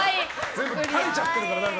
全部吐いちゃってるから。